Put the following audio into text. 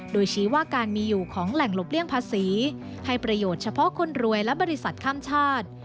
โดยชี้ว่าการมีอยู่ของแหล่งหลบเลี่ยงภาษีให้ประโยชน์เฉพาะคนรวยและบริษัทข้ามชาติ